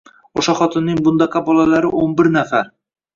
O`sha xotinning bundaqa bolalari o`n bir nafar